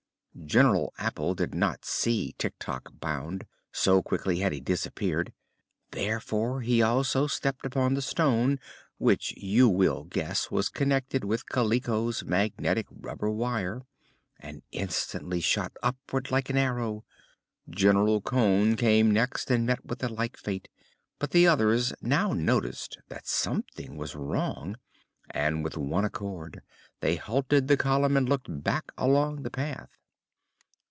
General Apple did not see Tik Tok bound, so quickly had he disappeared; therefore he also stepped upon the stone (which you will guess was connected with Kaliko's magnetic rubber wire) and instantly shot upward like an arrow. General Cone came next and met with a like fate, but the others now noticed that something was wrong and with one accord they halted the column and looked back along the path.